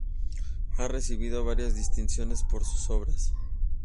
Ha recibido varias distinciones por sus obras.